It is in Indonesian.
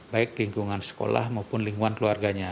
baik lingkungan sekolah maupun lingkungan keluarganya